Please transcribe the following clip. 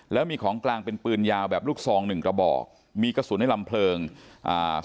แล้วมีของกลางเป็นปืนยาวแบบลูกซองหนึ่งกระบอกมีกระสุนในลำเพลิงอ่า